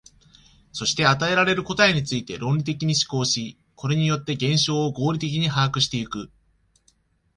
そして与えられる答えについて論理的に思考し、これによって現象を合理的に把握してゆく。